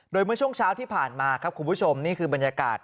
โดยเมื่อช่วงเช้าที่ผ่านมาครับคุณผู้ชมนี่คือบรรยากาศ